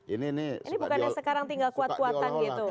ini bukan sekarang tinggal kekuatan gitu